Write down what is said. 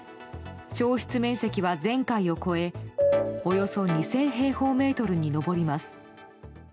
焼失面積は前回を超えおよそ２０００平方メートルに上ります。